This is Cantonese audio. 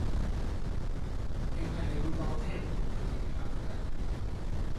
定係你會當聽唔到佢哋嘅教導呢